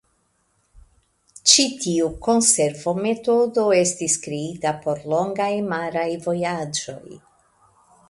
Ĉi tiu konservometodo estis kreita por longaj maraj vojaĝoj.